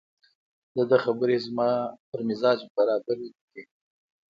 دده خبرې زما په مزاج برابرې نه دي